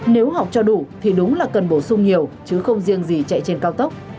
nếu học cho đủ thì đúng là cần bổ sung nhiều chứ không riêng gì chạy trên cao tốc